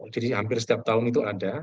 jadi hampir setiap tahun itu ada